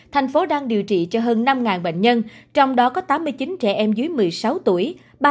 thành phố đang điều trị cho hơn năm bệnh nhân trong đó có tám mươi chín trẻ em dưới một mươi sáu tuổi